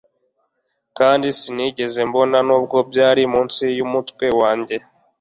kandi sinigeze mbona, nubwo byari munsi yumutwe wanjye